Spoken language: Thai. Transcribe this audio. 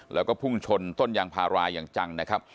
แล้วก็พุ่งชนต้นยางพาราอย่างจังนะครับ